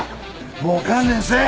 もう観念せえ。